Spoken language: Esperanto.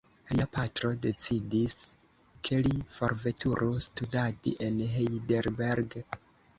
Lia patro decidis, ke li forveturu studadi en Heidelberg.